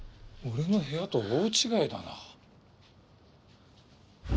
俺の部屋とは大違いだな。